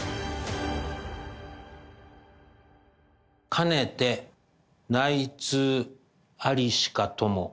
兼ねて内通ありしかども。